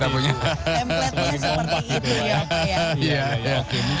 templatenya seperti itu ya